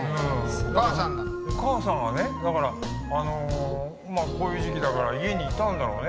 お母さんがねだからこういう時期だから家にいたんだろうね。